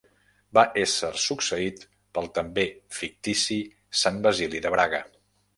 Va ésser succeït pel també fictici Sant Basili de Braga.